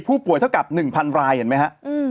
ผู้ป่วยเท่ากับ๑๐๐๐ลายเห็นไหมฮะ